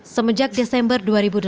semenjak desember dua ribu delapan belas